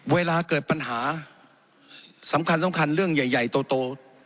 เวลาเกิดปัญหาสำคัญสำคัญเรื่องใหญ่โต